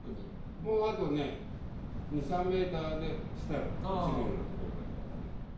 もうあとね、２、３メートルで下に落ちるような所だからね。